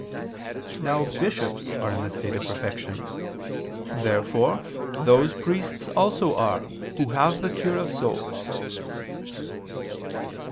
Now bishops are in the state of perfection. Therefore those priests also are who have the cure of souls.